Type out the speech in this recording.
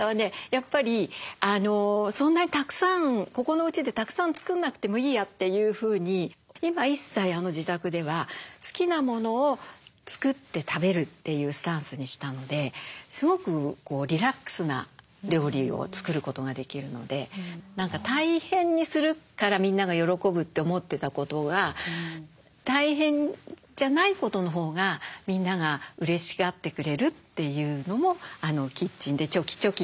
やっぱりそんなにたくさんここのうちでたくさん作んなくてもいいやっていうふうに今一切自宅では好きなものを作って食べるというスタンスにしたのですごくリラックスな料理を作ることができるので何か大変にするからみんなが喜ぶって思ってたことが「やっていいわよ」みたいなそういう感じはあります。